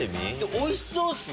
おいしそうっすね！